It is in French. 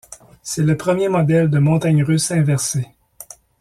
C'est le premier modèle de montagnes russes inversées.